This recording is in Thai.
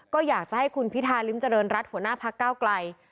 ก็อยากจะให้คุณพิธาริมเจริญรัฐหัวหน้าพักเก้าไกล